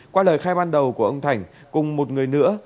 qua lời khai ban đầu của ông thành cùng một người nữa